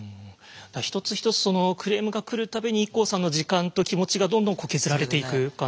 一つ一つクレームが来る度にＩＫＫＯさんの時間と気持ちがどんどん削られていく感じ。